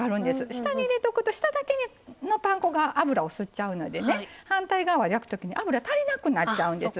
下に入れておくと下だけのパン粉が油を吸っちゃうので反対側を焼くとき油が足りなくなるんです。